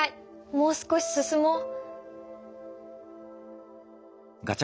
もう少し進もう。